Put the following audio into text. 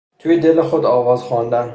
توی دل خود آواز خواندن